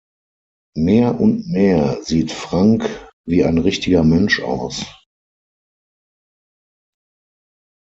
Mehr und mehr sieht Frank wie ein richtiger Mensch aus.